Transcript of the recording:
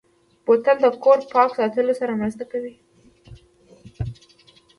بوتل د کور پاک ساتلو سره مرسته کوي.